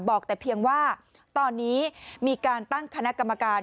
บอกแต่เพียงว่าตอนนี้มีการตั้งคณะกรรมการ